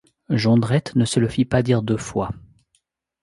Jondrette ne se le fit pas dire deux fois.